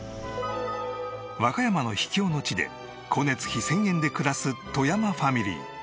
和歌山の秘境の地で光熱費１０００円で暮らす外山ファミリー。